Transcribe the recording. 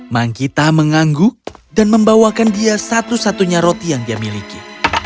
manggita mengangguk dan membawakan dia satu satunya roti yang dia miliki